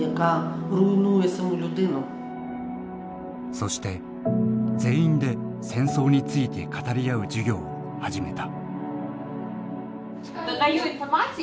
そして全員で戦争について語り合う授業を始めた。